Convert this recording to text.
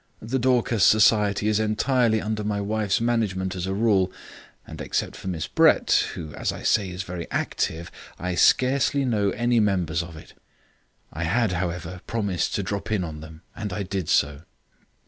The Dorcas society is entirely under my wife's management as a rule, and except for Miss Brett, who, as I say, is very active, I scarcely know any members of it. I had, however, promised to drop in on them, and I did so.